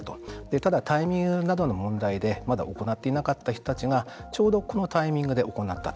ただ、タイミングなどの問題でまだ行っていなかった人たちがちょうど、このタイミングで行ったと。